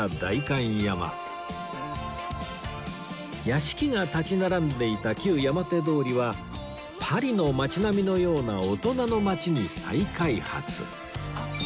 屋敷が立ち並んでいた旧山手通りはパリの街並みのような大人の街に再開発